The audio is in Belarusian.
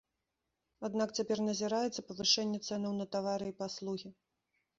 Аднак цяпер назіраецца павышэнне цэнаў на тавары і паслугі.